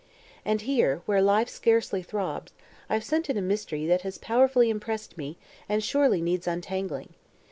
And here, where life scarcely throbs, I've scented a mystery that has powerfully impressed me and surely needs untangling.